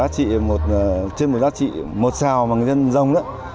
trên một giá trị một xào mà người dân dông